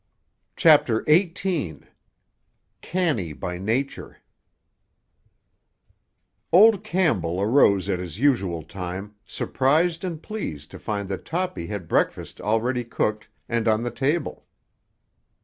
CHAPTER XVIII—"CANNY BY NATURE" Old Campbell arose at his usual time, surprised and pleased to find that Toppy had breakfast already cooked and on the table.